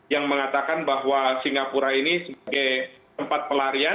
yang mengatakan bahwa singapura ini sebagai tempat pelarian